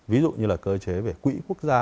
ví dụ như là cơ chế về quỹ quốc gia